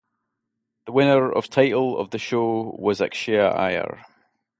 The winner of title of the show was Akshaya Iyer.